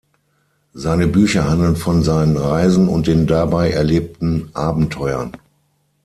Seine Bücher handeln von seinen Reisen und den dabei erlebten Abenteuern.